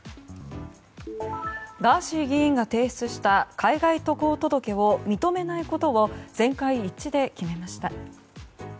ガーシー議員が提出した海外渡航届を認めないことを全会一致で決めました。